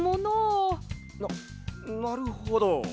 ななるほど。